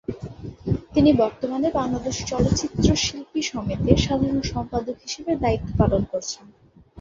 তিনি বর্তমানে বাংলাদেশ চলচ্চিত্র শিল্পী সমিতির সাধারণ সম্পাদক হিসাবে দায়িত্ব পালন করছেন।